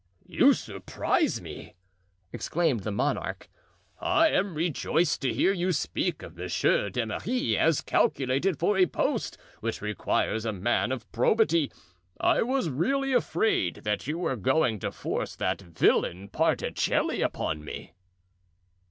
"You surprise me!" exclaimed the monarch. "I am rejoiced to hear you speak of Monsieur d'Emery as calculated for a post which requires a man of probity. I was really afraid that you were going to force that villain Particelli upon me."